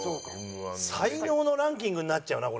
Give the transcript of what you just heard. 才能のランキングになっちゃうな